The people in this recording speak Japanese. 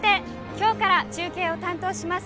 今日から中継を担当します